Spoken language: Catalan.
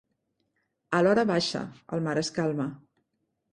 A l'horabaixa, el mar es calma.